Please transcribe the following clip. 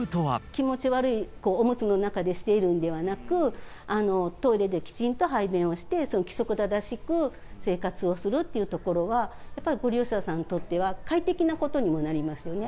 気持ち悪いおむつの中でしているのではなく、トイレできちんと排便をして、規則正しく生活をするっていうところは、やっぱりご利用者さんにとっては、快適なことにもなりますよね。